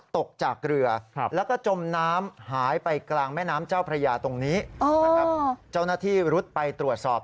ตำรวจซพ